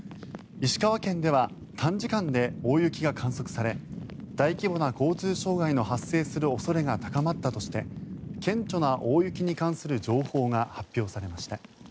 石川県では短時間で大雪が観測され大規模な交通障害の発生する恐れが高まったとして顕著な大雪に関する情報が発表されました。